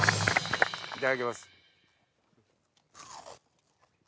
いただきます。